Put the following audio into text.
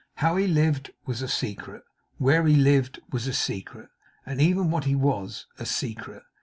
How he lived was a secret; where he lived was a secret; and even what he was, was a secret.